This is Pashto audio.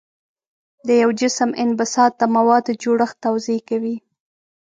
د یو جسم انبساط د موادو جوړښت توضیح کوي.